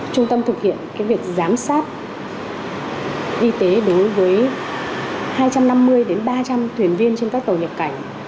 trung tâm thực hiện việc giám sát y tế đối với hai trăm năm mươi ba trăm linh thuyền viên trên các tàu nhập cảnh